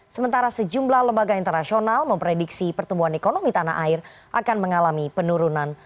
sementara sejumlah lembaga internasional memprediksi pertumbuhan ekonomi tanah air akan mengalami penurunan